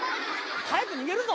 早く逃げるぞ。